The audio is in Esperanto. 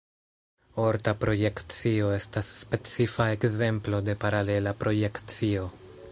Orta projekcio estas specifa ekzemplo de paralela projekcio.